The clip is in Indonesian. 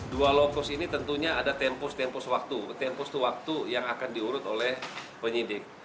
dua lokus ini tentunya ada tempus tempus waktu tempus itu waktu yang akan diurut oleh penyidik